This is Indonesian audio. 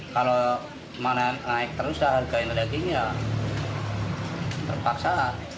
kalau mana naik terus harganya dagingnya terpaksa